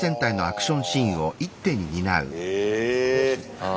ああ。